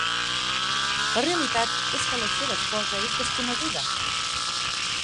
La realitat és que la seva esposa és desconeguda.